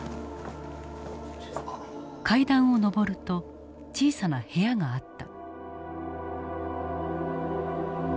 階段を上ると小さな部屋があった。